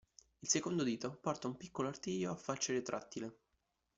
Il secondo dito porta un piccolo artiglio a falce retrattile.